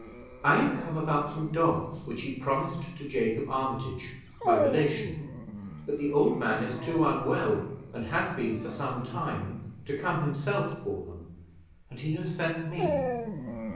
"I am come about some dogs which he promised to Jacob Armitage, my relation; but the old man is too unwell, and has been for some time, to come himself for them, and he has sent me."